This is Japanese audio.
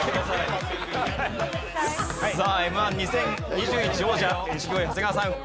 さあＭ−１２０２１王者錦鯉長谷川さん。